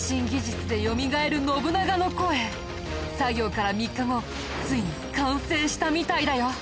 作業から３日後ついに完成したみたいだよ。